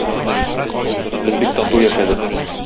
Без бик тату яшәдек.